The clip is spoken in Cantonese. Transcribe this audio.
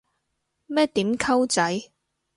咩點溝仔